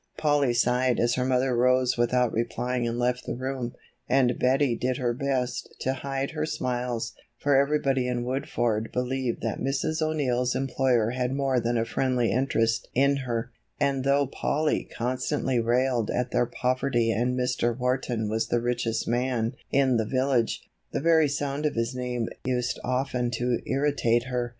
Polly sighed as her mother rose without replying and left the room, and Betty did he her best to hide her smiles, for everybody in Woodford believed that Mrs. O'Neill's employer had more than a friendly interest in her, and though Polly constantly railed at their poverty and Mr. Wharton was the richest man in the village, the very sound of his name used often to irritate her.